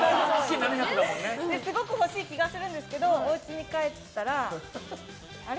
すごく欲しい気がするんですけどおうちに帰ったらあれ？